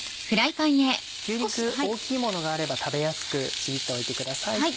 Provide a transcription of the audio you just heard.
牛肉大きいものがあれば食べやすくちぎっておいてください。